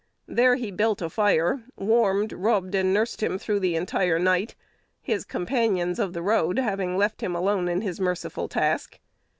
There he built a fire, warmed, rubbed, and nursed him through the entire night, his companions of the road having left him alone in his merciful task.